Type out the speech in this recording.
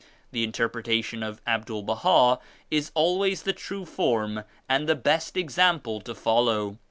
The interpretation of Abdul Baha is always the true form and the best example to follow.